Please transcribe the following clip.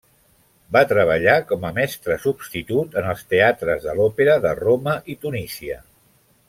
Va treballar com a mestre substitut en els teatres de l'òpera de Roma i Tunísia.